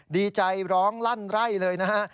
ดีใจร้องลั่นไร่เลยนะฮะ